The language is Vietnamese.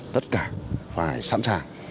tất cả phải sẵn sàng